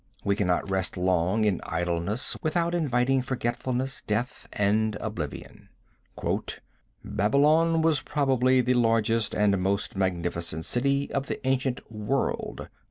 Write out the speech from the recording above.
We cannot rest long in idleness without inviting forgetfulness, death and oblivion. "Babylon was probably the largest and most magnificent city of the ancient world."